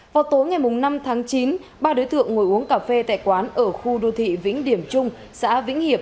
vào tối ngày năm tháng chín ba đối tượng ngồi uống cà phê tại quán ở khu đô thị vĩnh điểm trung xã vĩnh hiệp